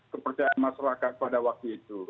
kepercayaan masyarakat pada waktu itu